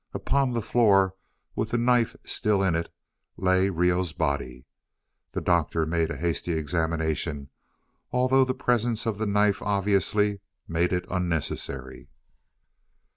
Upon the floor, with the knife still in it, lay Reoh's body. The Doctor made a hasty examination, although the presence of the knife obviously made it unnecessary.